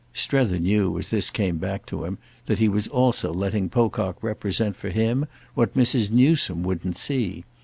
—Strether knew, as this came back to him, that he was also letting Pocock represent for him what Mrs. Newsome wouldn't see.